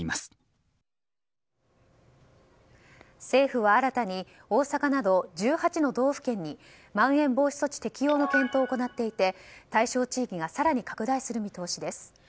政府は新たに大阪など１８の道府県にまん延防止措置適用の検討を行っていて対象地域が更に拡大する見通しです。